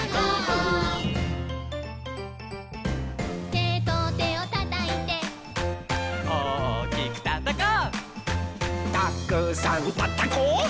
「テトテをたたいて」「おおきくたたこう」「たくさんたたこう」